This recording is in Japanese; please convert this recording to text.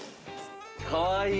かわいい。